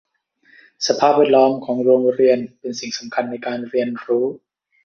สภาพแวดล้อมของโรงเรียนเป็นสิ่งที่สำคัญในการเรียนรู้